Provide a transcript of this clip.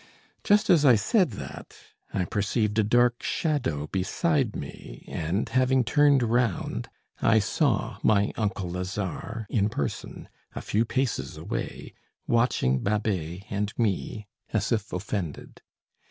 Just as I said that, I perceived a dark shadow beside me, and, having turned round, I saw my uncle Lazare, in person, a few paces away, watching Babet and me as if offended.